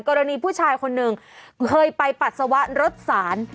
กรณีผู้ชายคนหนึ่งเคยไปปัสสาวะรถสาร